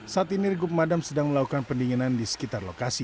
saat ini regup madam sedang melakukan pendinginan di sekitar lokasi